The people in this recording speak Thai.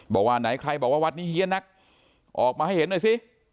บอกว่าไหนใครบอกว่าวัดนี้เฮียนักออกมาให้เห็นหน่อยสิ